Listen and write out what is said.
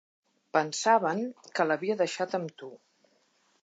Pensaven que l'havia deixat amb tu.